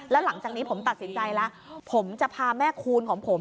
แล้วหลังจากนี้ผมตัดสินใจแล้วผมจะพาแม่คูณของผม